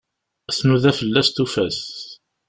Tnuda fell-as, tufa-t.